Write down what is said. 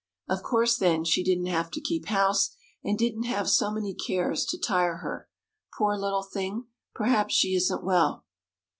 Of course, then, she didn't have to keep house, and didn't have so many cares to tire her. Poor little thing! Perhaps she isn't well!